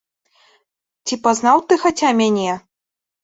Ці пазнаў ты хаця мяне?